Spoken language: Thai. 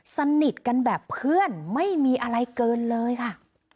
สนิทกันแบบเพื่อนไม่มีอะไรเกินเลยค่ะ